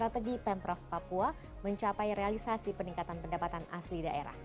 temprov papua mencapai realisasi peningkatan pendapatan asli daerah